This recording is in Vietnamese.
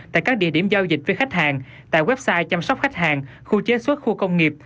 tại các địa điểm giao dịch với khách hàng tại website chăm sóc khách hàng khu chế xuất khu công nghiệp